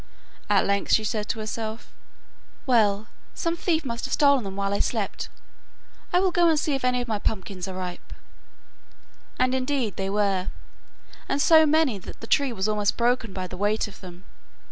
At length she said to herself, 'Well, some thief must have stolen them while I slept. I will go and see if any of my pumpkins are ripe.' And indeed they were, and so many that the tree was almost broken by the weight of them.